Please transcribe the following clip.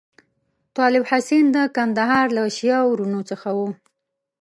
طالب حسین د کندهار له شیعه وروڼو څخه وو.